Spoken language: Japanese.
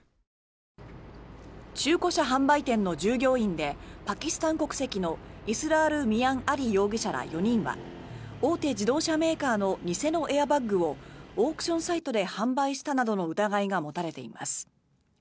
中古車販売店の従業員でパキスタン国籍のイスラール・ミアン・アリ容疑者ら４人は大手自動車メーカーの偽のエアバッグをオークションサイトで販売したなどの疑いが持たれています。